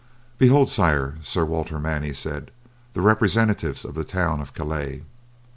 "Behold, Sire," Sir Walter Manny said, "the representatives of the town of Calais!"